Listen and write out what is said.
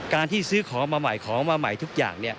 ที่ซื้อของมาใหม่ของมาใหม่ทุกอย่าง